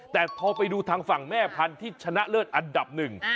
แต่พอไปดูทางฝั่งแม่พันธุ์ที่ชนะเลิศอันดับหนึ่ง